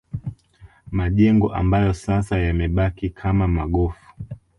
Majengo ambayo sasa yamebaki kama magofu